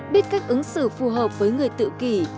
biết cách ứng xử phù hợp với người tự kỷ